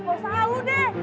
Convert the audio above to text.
gua usah alu deh